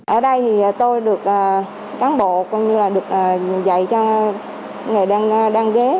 ở đây thì tôi được cán bộ con như là được dạy cho người đang ghế